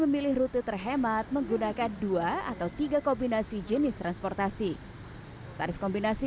memilih rute terhemat menggunakan dua atau tiga kombinasi jenis transportasi tarif kombinasi